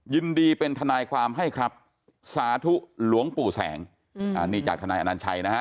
ยินดีเป็นทนายความให้ครับสาธุหลวงปู่แสงอันนี้จากทนายอนัญชัยนะฮะ